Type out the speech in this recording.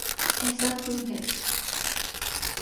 ایسا کیوں ہے؟